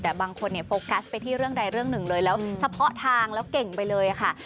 แต่บางคนเนี่ยโฟกัสไปที่เรื่องใดเรื่องหนึ่งเลยแล้วเฉพาะทางแล้วเก่งไปเลยค่ะ